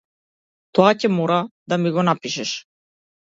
Тоа ќе мора да ми го напишеш.